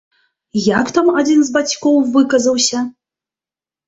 Як там адзін з бацькоў выказаўся?